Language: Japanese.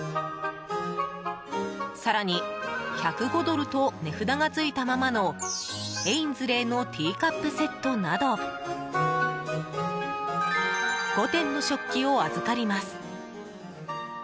更に、１０５ドルと値札がついたままのエインズレイのティーカップセットなど５点の食器を預かります。